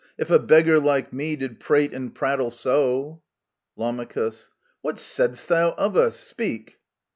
If a beggar like me did prate and prattle so I Lam. What saidst thou of us? Speak!